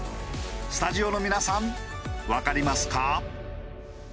スタジオの皆さんわかりますか？